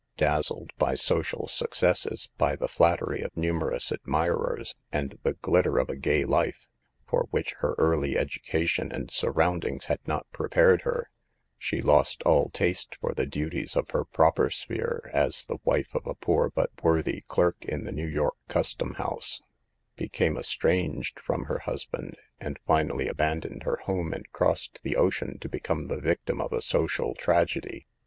Dazzled by social successes, by the flat tery of numerous admirers, and the glitter of a gay life, for which her early education and sur roundings had not prepared her, she lost all taste for the duties of her proper sphere as the wife of a poor but worthy clerk in the New York Custom House, became estranged from her husband, and finally abandoned her home and crossed the ocean to become the victim of a social tragedy.